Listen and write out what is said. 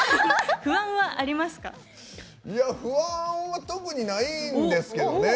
不安は特にないんですけどね。